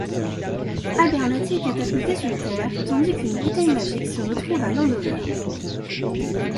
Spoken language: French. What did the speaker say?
Abernathy est catapulté sur Terre tandis qu'une bouteille magique se retrouve à Landover.